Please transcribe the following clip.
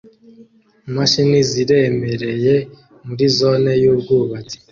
imashini ziremereye muri zone yubwubatsi